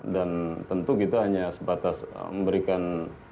dan tentu kita hanya sebatas memberikan